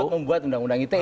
membuat undang undang ite